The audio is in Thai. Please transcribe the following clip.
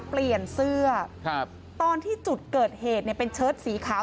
เปลี่ยนเสื้อครับตอนที่จุดเกิดเหตุเนี่ยเป็นเชิดสีขาว